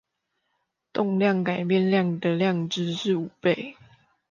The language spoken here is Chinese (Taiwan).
動量改變量的量值是五倍